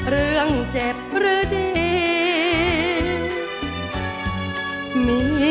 เรื่องเจ็บหรือดี